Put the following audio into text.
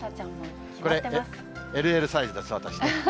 ＬＬサイズです、私ね。